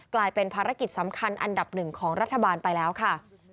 กลายเป็นภารกิจสำคัญอันดับหนึ่งของรัฐบาลไปแล้วค่ะ